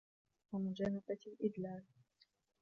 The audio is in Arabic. وَمُجَانَبَةِ الْإِدْلَالِ